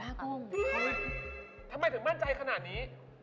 คุณภาคมเฮ้ยทำไมถึงมั่นใจขนาดนี้